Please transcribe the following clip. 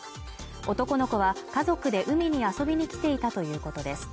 男の子は家族で海に遊びに来ていたということです